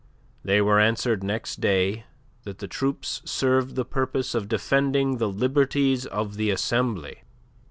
They were answered next day that the troops served the purpose of defending the liberties of the Assembly!